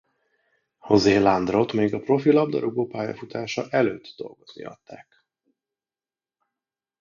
José Leandrot még a profi labdarúgó pályafutása előtt dolgozni adták.